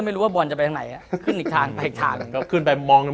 ความเป็นเลิศ